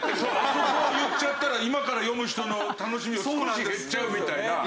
それもう言っちゃったら今から読む人の楽しみが少し減っちゃうみたいな。